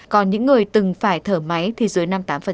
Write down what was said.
còn những người từng phải thở máy thì dưới năm mươi tám